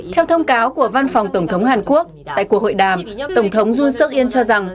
theo thông cáo của văn phòng tổng thống hàn quốc tại cuộc hội đàm tổng thống yon seok in cho rằng